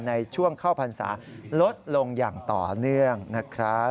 ในช่วงเข้าพรรษาลดลงอย่างต่อเนื่องนะครับ